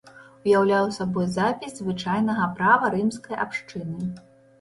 Уяўляў сабой запіс звычайнага права рымскай абшчыны.